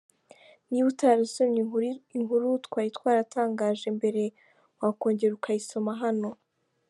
Niba utarasomye inkuru twari twatangaje mbere wakongera ukayisoma hano.